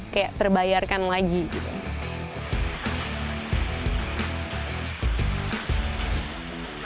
kayak terbayarkan lagi gitu